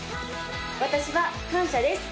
私は「感謝」です